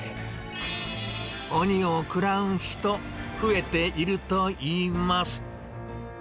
鬼を食らう人、増えているといいます。